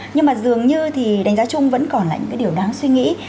nhưng mà dường như thì đánh giá chung vẫn còn là những cái điều đáng suy nghĩ